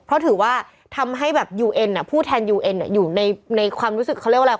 เพราะถือว่าทำให้แบบยูเอ็นผู้แทนยูเอ็นอยู่ในความรู้สึกเขาเรียกว่าอะไร